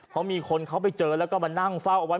เพราะมีคนเขาไปเจอแล้วก็มานั่งเฝ้าเอาไว้